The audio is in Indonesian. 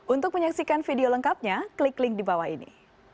untuk menyaksikan video lengkapnya klik link di bawah ini